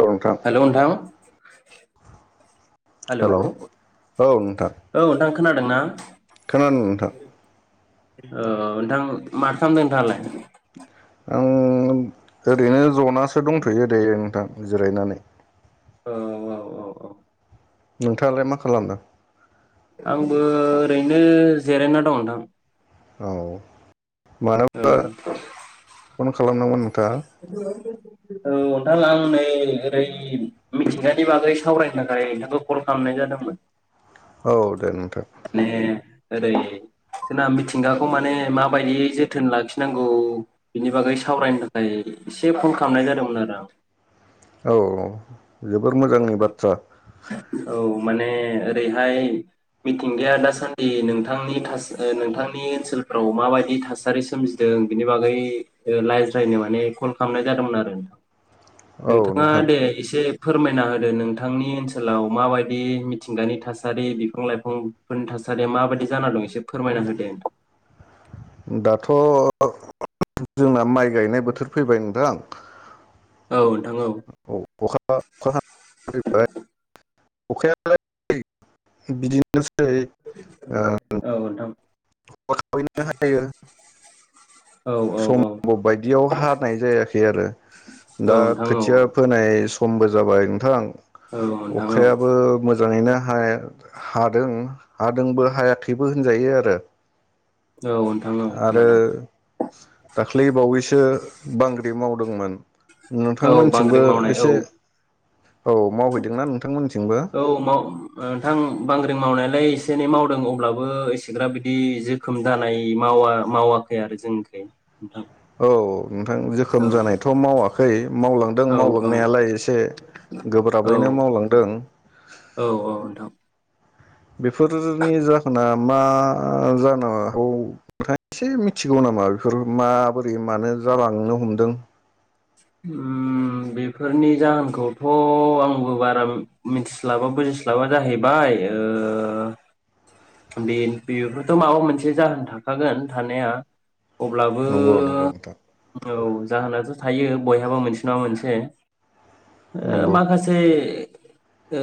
औ नोंथां हेलौ नोंथां [inaudible] हेल' औ नोंथां खोनादों ना? खोनादो नोंथां ओ नोंथां मा खामदो नोंथाङालाय? आं ओरैनो जनासो दंथयो दायो नोंथां जिरायनानै। औ औ औ औ नोंथाङालाय मा खालामदों? आंबो ओरैनो जिरायना दङ नोंथां। औ औ मानोबा फन खालामदोंमोन नोंथाङा? औ नोंथां आं नै ओरै मिथिंगानि बागै सावरायनो थाखाय नोंखौ कल खालामनाय जादोंमोन औ दे नोंथां। माने ओरै जोंना मिथिंगाखौ माने माबायदियै जो थोन लाखिनांगौ बिनि बागै सावरायनो थाखाय एसे फन खालामनाय जादोंमोन आरो आं। औ औ। जोबोर मोजांनि आं बाथ्रा। औ माने ओरैहाय मिथिंगाया दासान्दि नोंथांनि थास नोंथांनि ओनसोलफ्राव माबायदि थासारि सोमजिदों बिनि बागै लायज्रायनो माने कल खालामनाय जादोंमोन आरो औ नोंथाङा नोंथां दे एसे फोरमायना होदो नोंथांनि ओनसोलाव माबायदि मिथिंगानि थासारि बिफां लाइफांफोरनि थासारिया माबायदि जाना दं एसे फोरमायना होदो। दाथ [unintelligible] जोंना माइ गायनाय बोथोर फैबाय नोंथां औ नोंथां औ अअखा अखा [unintelligible] अखायालाय [unintelligible] बिदि औ नोंथां नोसैैनो ओ [unintelligible] औ सम बायदियाव हानाय जायाखै आरो औ दा नोंथां औ खोथिया फोनाय स मबो जाबाय नोंथां। औ नोंथां औ अखायाबो मोजां जाङैनो हाया हादों हादोंबो हायाखैबो होनजायो आरो औ नोंथां औ आरो खोनादों दाख्लै बावैसो बांग्रि मावदोंमोन। औ नोंथांमोनथिंबो बांग्रिं मावनाय एसे औ औ मावहैदोंना नोंथांमोनथिंबो औ माव ओ नोंथां बांग्रिं मावनाय लाइ एसे एनै मावदों अब्लाबो एसेग्राब बिदि जोखोम जानाय मावा मावाखै आरो जोंनिखै। औ नोंथां जोखोम औ जानायथ मावाखै मावलांदों औ औ मावलांनायालाय एसे औ गोब्राबैनो मावलांदों। औ औ नोंथां बेफोररनि जाहोना मा जानो हागौ नोंथाङा एसे मिथिगौ नामा बेफोर माबोरै मानो जालांनो हमदों? ओम बेफोरनि जाहोनखौथ आंबो बारा मि-मिथिस्लाबा बुजिस्लाबा जाहैबाय ओ बे बेफोरथ माबा मोनसे जाहोन थाखागोन थानाया अब्लाबो नंगौ नंगौ नोंथां औ जाहोनाथ' थायो बयहाबो मोनसे नङा मोनसे ओ नंगौ माखासे ओ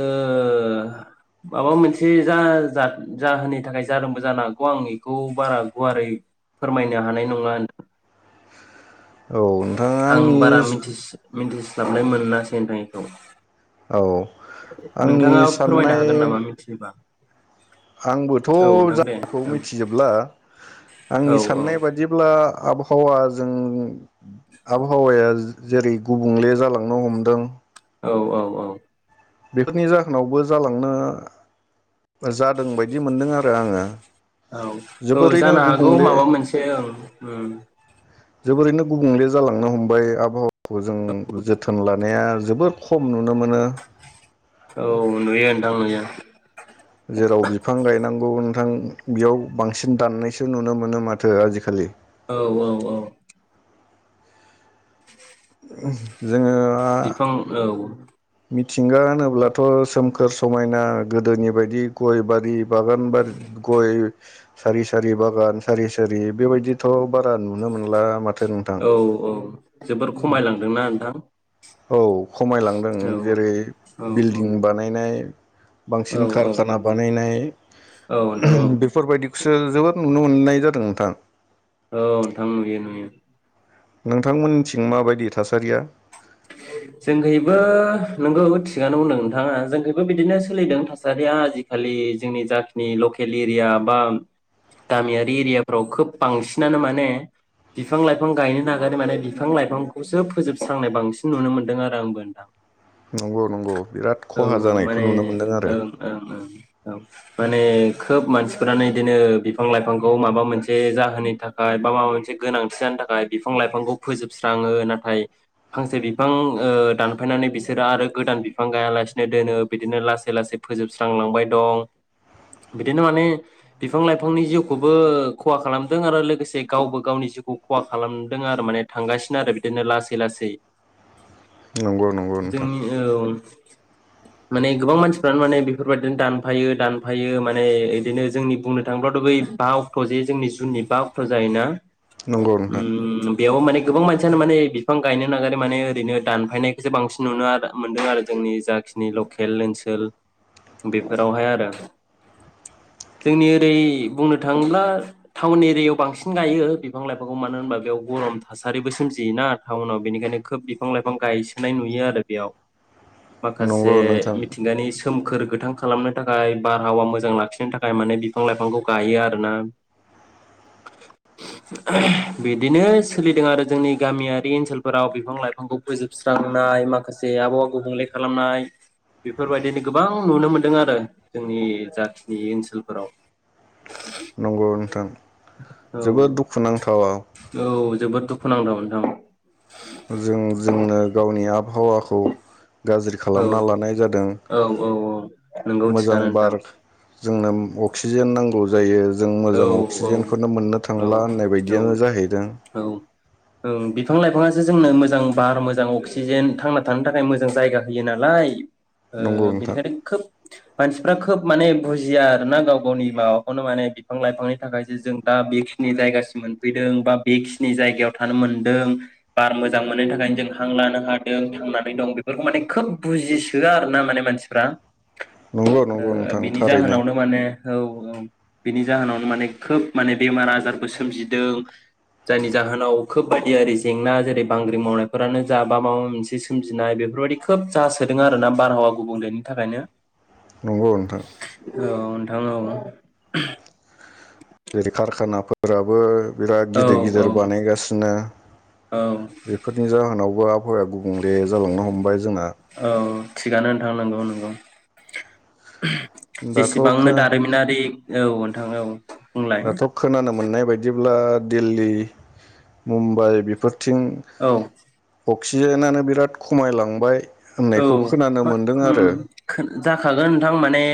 माबा मोनसे जा जात जाहोननि थाखाय जादोंबो जानो हागौ आं एखौ बारा गुवारै फोरमायनो हानाय नङा नों औ नोंथाङा आंनि मिन्थिस्लाबनाय मोननासै नोंथां एखौ आंनि नोंथाङा फोरमायनो साननाय हागोन नामा मिथियोबा आंबोथ' औ नोंथां दे जाहोनखौ मिथिजोबला आंनि औ औ साननाय बादिब्ला आब हावाजों आबहावाया जेरै- गुबुंले जालांनो हमदों औ औ औ बेफोरनि जाहोनावबो जालांनो जादों बायदि मोनदों आरो आङो औ औ जोबोरैनो जानो हागौ गुबुंले माबा मोनसे ओं उम जोबोरैनो गुबुंले जालांनो हमबाय आबहावा खौ जों जोथोन ला थानाया जोबोर खम नुनो मोनो। औ नुयो नोंथां नुयो। जेराव बिफां गायनांगौ नोंथां बेयाव बांसिन दाननायसो नुनो मोनो माथो आजिखालि औ औ औ [unintelligible] बिफां औ मिथिंगा होनोब्लाथ' सोमखोर स समायना गोदोनि बायदि गय बारि बागान बारिद गय सारि सारि बागान सारि सारि बेबायदिथ' बारा नुनो मोनला माथ औ औ जोबोर खमायलांदोंना नोंथां? औ खमायलांदों। औ जेरै औ - बिल्डिं बानायनाय औ बांसिन औ औ कारखाना बानायनाय औ नोंथां औ [unintelligible] बेफोरबायदिखौसो जोबोद नुनो मोननाय [unintelligible] जादों नोंथां औ नोंथां नुयो नुयो। नोंथांमोननिथिं माबायदि थासारिया? जोंखैबो नोंगौ थिगानो बुंदों नोंथाङा जोंखैबो बिदिनो सोलिदों थासारिया आजिखालि जोंनि जाखिनि लकेल एरिया बा गामियारि एरियाफ्राव खोब बांसिनानो माने बिफां लाइफां गायनो नागारो माने बिफां लाइफांखौसो फोजोबस्रांनाय बांसिन नुनो मोनदों आरो आंबो नोंथां। नंगौ नंगौ बिराद औ खहा जानायखौ माने नुनो मोनदों आरो ओं ओं ओं औ माने खोब मानसिफोरानो बिदिनो बिफां लाइफांखौ माबा मोनसे जाहोननि थाखाय बा माबा मोनसे गोनांथि जानो थाखाय बिफां लाइफांखौ फोजोबस्राङो। नाथाय फांसे बिफां ओ दानफायनानै बिसोरो आरो गोदान बिफां गायालासिनो दोनो बिदिनो लासै लासै फोजोबस्रांलांबाय दं। बिदिनो माने बिफां लाइफांनि जिउखौबो खहा खालामदों आरो लोगोसे गावबो गावनि जिउखौ खहा खालामदों आरो माने थांगासिनो आरो बिदिनो लासै लासै। नंगौ नंगौ नोंथां जोंनि औ माने गोबां मानसिफ्रानो माने बेफोरबायदिनो दानफायो दानफायो माने इदिनो जोंनि बुंनो थाङोबथ' बै बा अक्ट जे जोंनि जुननि बा अक्ट जायोना नंगौ नोंथां उम बेयाव माने गोबां मानसियानो माने बिफां गायनो नागिरै माने ओरैनो दानफायनायखौसो बांसिन नुनो आर मोनदों आरो जोंनि जाखिनि लकेल ओनसोल बेफोरावहाय आरो जोंनि ओरै बुंनो थाङोब्ला टाउन एरियायाव बांसिन गायो बिफां लाइफांखौ मानो होनबा बेयाव गरम थासारिबो सोमजियोना टाउनाव बेनिखायनो खोब बे बिफां लाइफां गायसोनाय नुयो आरो बेयाव माखासे नंगौ नोंथां मिथिंगानि सोमखोर गोथां खालामनो थाखाय बारहावा मोजां लाखिनो थाखाय माने बिफां लाइफांखौ गायो आरोना बिदिनो सोलिदों आरो जोंनि गामियारि ओनसोलफोराव बिफां लाइफा फांखौ फोजोबस्रांनाय माखासे आबहावा गुबुंले खालामनाय बेफोरबायदिनो गोबां नुनो मोन्दों आरो जोंनि जाथिनि ओनसोलफोराव नंगौ नोंथां औ जोबोद दुखु नांथावा औ। खुनांथाव नोंथां। जों जोंनो गावनि आबहावाखौ गाज्रि औ खालामना लानाय जादों औ औ नोंगौ मोजां थिगानो नोंथां बारक जोंनो अक्सिजेन नांगौ जायो जों औ मोजां अक्सिजेनखौनो मोननो औ थांला होननाय औ बायदियानो जाहैदों औ बिफां लाइफाङासो जोंनो मोजां बार मोजां अक्सिजेन थांना थानो थाखाय मोजां जायगा होयो नालाय ओ नंगौ नोंथां बेनिखायनो खोब मानसिफ्रा खोब माने बुजिया आरो ना गाव गावनि माबाखौनो माने बि फां लाइफांनि थाखायसो जों दा बेखिनि जायगासिम मोनफैदों बा बेखिनि जायगायाव थानो मोनदों बार मोजां मोननायनि थाखायनो जों हां लानो हादों थांनानै दं बेफोरखौ माने खोब बुजिसोआ आरो ना माने मानसिफ्रा नंगौ ओ नंगौ नोंथां बिनि थारैनो जाहोनावनो माने औ औ। बेनि जाहोनावनो माने खोब माने बेमार आजारबो सोमजिदों जायनि जाहोनाव खोब बायदि आरि जेंना जेरै बांग्रि मावनायफोरानो जा बा माबा मोनसे सोमजिनाय बेफोरबायाददि खोब जासोदों आरोना बारहावा गुबुंलेनि थाखायनो नंगौ नोंथां औ नोंथां औ। [unintelligible] जेरै कारखानाफोराबो बिराद औ गिदिर गिदिर औ बानायगासिनो औ बेफोरनि जाहोनाव आबहावाफोरा गुबुंले जालांनो हमबाय जोंना औ। थिगानो नोथां नंगौ नंगौ। दाथ' खो जेसेबांनो दारिमिनारि औ नोंथां औ। बुंलाय दाथ' खोनानो मोननाय बायदिब्ला दिल्ली मुम्बाइ बेफोर थिं औ अख क्सिजेनानो बिराद खमायलांबाय औ होननायखौ खोनानो म मोनदों आरो उम खोन जाखागोन नोंथां माने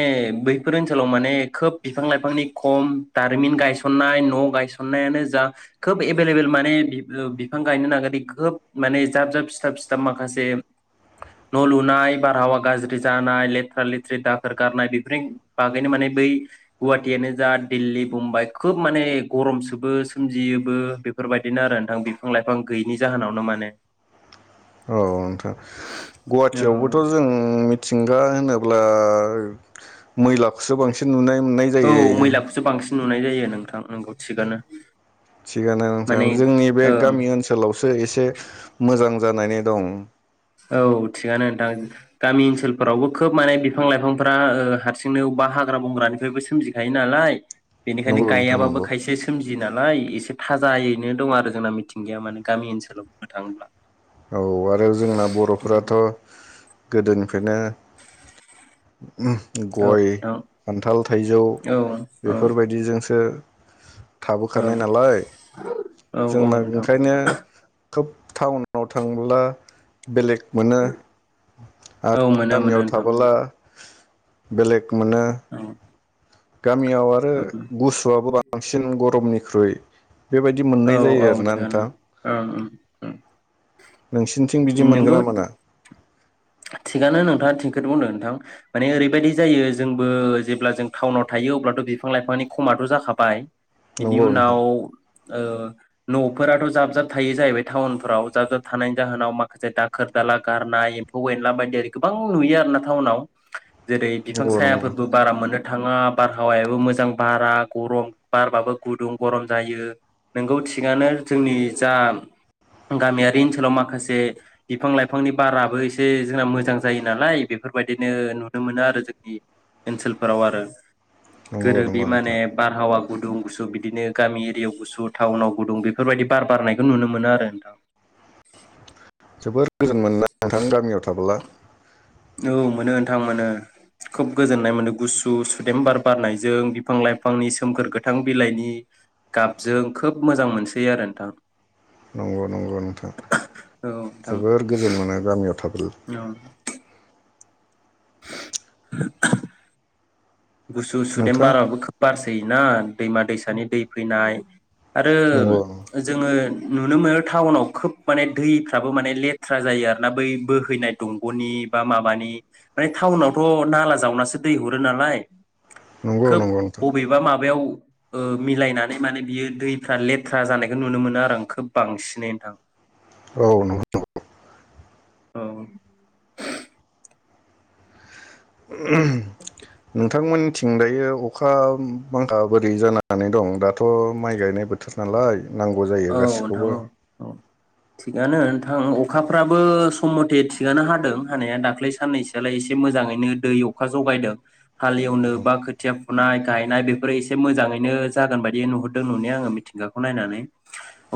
बैफोर ओनसोलाव माने खोब बिफां लाइफांनि खम दारिमिन गायसननाय न गायसननायानो जा खोब एभेलेबेल माने बिब ओ बिफां गायनो नागिरै खोब माने जाब जाब सिथाब सिथाब माखासे न लुनाय बारहावा गाज्रि जानाय लेथ्रा लेथ्रि दाखोर गारनाय बेफोरनि बागैनो माने बै गुवाहाटियानो जा दिल्ली बम्बाइ खोब माने गरमसोबो सोमजियोबो बेफोरबायदिनो आरो नोंथां बिफां लाइफां गैयैनि जाहोनावनो माने। औ नोंथा। औ गुवाहाटियावबोथ जों मिथिं होनोब्ला मैलाखौसो बांसिन नुनाय मोननाय औ जायो मैलाखौसो बांसिन नुनाय जायो नोंथां नोंगौ थिगानो। थिगानो नोंथां माने जोंनि बे ओं गामि ओनसोलावसो एसे मोजां जानानै दं। औ थिगानो नोंथां गामि ओनसोलफोरावबो खोब माने बिफां लाइफांफ्रा ओ हारसिंनो अबावबा हाग्रा बंग्रानिफ्रायबो सोमजिखायो नालाय बेनिखायनो नंगौ नोंथां गायाबाबो नंगौ खायसे सोमजि [unintelligible] नालाय एसे थाजायैनो दं आरो जोंना मिथिंगाया माने गामि ओनसोलाव बुंनो थाङोब्ला। औ आरो जोंना बर'फोराथ गोदोनिफ्रायनो उम गय खान्थाल थाइजौ औ नोंथां बेफोरबायदिजोंसो थाबोखानाय नालाय औ औ जोंना नोंथां ओंखायनो खोब थावन नाव थांब्ला बेलेग मोनो आरो औ मोनो गामियाव मोनो नोंथां थाबोला बेलेग मोनो। औ गामियाव आरो औ गुसुआबो बां बांसिन गरमनिख्रुइ बेबायदि औ मोननाय जायो औ आरोना थिगआनो नोंथां ओं ओं ओं नोंसिनिथिं बिदि मोनगोन नोंगौ ना मोना? थिगानो नोंथाङा थिंखोनो बुंदों नोंथां माने ओरैबायदि जायो जोंबो जेब्ला जों टाउनाव थायो अब्लाथ बिफां लाइफांनि खमाथ जाखाबाय। बिनि नंगौ नोंथां उनाव ओ नफोराथ जाब जाब थायो जाहैबाय टाउनफोराव जाबजाब थानायनि जाहोनाव माखासे दाखोर दाला गारनाय एम्फौ एला बायदि गोबां नुयो आरो ना टाउनाव। जेरै बिफां नंगौ नंगौ सायाफोरबो नोंथां बारा मोन थाङा बारहावायाबो मोजां बारा गरम बारबाबो गुदुं गरम जायो नोंगौ थिगानो जोंनि जा गामियारि ओनसोलाव माखासे बिफां लाइफांनि बाराबो एसे एसे जोंना मोजां जायो नालाय बेफोरबायदिनो नुनो मोनो आरो जोंनि ओनसोलफोराव आरो। नंगौ गोरोबि नंगौ माने नोंथां बारहावा गुदुं गुसु बिदिनो गामि एरियायाव गुसु टाउनाव गुदुं बेफोरबायदि बार बारनायखौ नुनो मोनो आरो नोंथां। जोबोर गोजोन मोनोना नोंथां गामियाव थाबोला। औ मोनो नोंथां मोनो खोब गोजोननाय मोनो गुसु सुदेम बार बारनायजों बिफां लाइफांनि सोमखोर गोथां बिलाइनि गाबजों खोब मोजां मोनसै आरो नोंथां। नंगौ नंगौ नोंथां औ नोंथां जोबोर गोजोन मोनो गामियाव थाब। औ [inaudible] [inaudible] गुसु सुदेम नोंथाङा बाराबो खोब बारसोयोना। दैमा दैसानि दै फैनाय। आरो नंगौ जोङो। नुनो मोनो टाउनाव खोब माने दैफ्राबो माने लेथ्रा जायो आरो ना बै बोहैनाय दंगनि बा माबानि माने टाउनावथ नाला जावनासो दै हरो नालाय नंगौ खोब नंगौ नोंथां बबेबा माबायाव। ओ मिलायनानै माने बियो दैफ्रा लेथ्रा जानायखौ नुनो मोनो आरो आं खोब बांसिनै नोंथां। औ नंगौ नंगौ। औ। नोंथांमोन। थिं दायो अखा बांखा बोरै जानानै दं दाथ माइ गायनाय बोथोर नालाय। नांगौ जायो औ नोंथां गासिखौबो। औ औ थिगानो नोंथां अखाफ्राबो सम मथे थिगानो हादों हानाया दाख्लै साननैसो आलाय एसे मोजाङैनो दै अखा जगायदों। हालेवनो बा खोथिया फुनाय। गायनाय बेफोरो एसे मोजाङैनो जागोन बायदि नुहरदों नुनाया आङो मिथिंगाखौ नायनानै।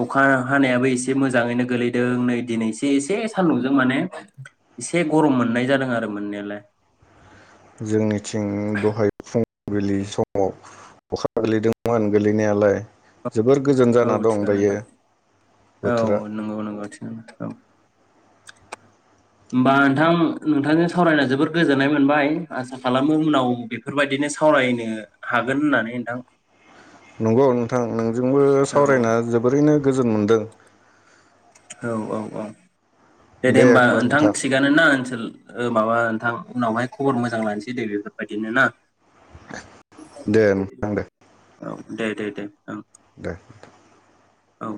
अखा हानायाबो एसे मोजाङैनो गोलैदों नै दिनैसे एसे सान्दुंजों माने एसे गरम मोननाय जादों आरो मोननायालाय। जोंनि। थिं दहाय फुं। गोरलै समाव अखा गोलैदोंमोन गोलैनायालाय। जोबोर गोजोन औ जाना थिगानो दायो दं बोथोरा औ नंगौ नंगौ थिगानो औ। होमबा नोंथां नोंथांजों सावरायना जोबोद गोजोननाय मोनबाय आसा खालामो उनाव बेफोर बायदिनो सावरायनो हागोन होननानै नोंथां। नंगौ नों। नोंथां नोंजोंबो औ सावरायना जोबोरैनो। गोजोन मोनदों। औ औ औ दे दे होमबा ओनथां थिगानो ना ओनसोल। ओ माबा ओनथां उनावहाय खबर मोजां लानोसै दे बेफोर बायदिनो ना। दे नोंथां दे औ। दे दे दे औ। दे। औ।